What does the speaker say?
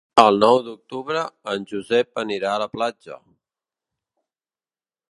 El nou d'octubre en Josep anirà a la platja.